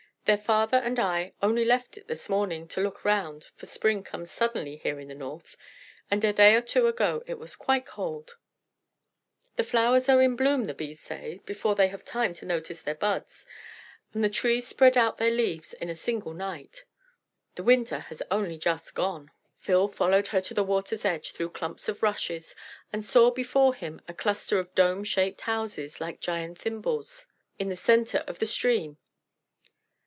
Their father and I only left it this morning to look round, for spring comes suddenly here in the north, and a day or two ago it was quite cold. The flowers are in bloom, the Bees say, before they have time to notice their buds, and the trees spread out their leaves in a single night. The winter has only just gone." Phil followed her to the water's edge through clumps of rushes, and saw before him a cluster of dome shaped houses, like giant thimbles, in the centre of the stream.